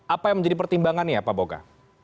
apa yang menjadi pertimbangannya pak boga